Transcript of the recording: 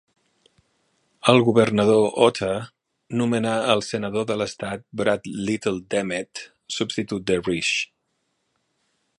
El governador Otter nomenà al senador de l'estat Brad Little d'Emmett substitut de Risch.